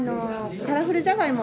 カラフルじゃがいも。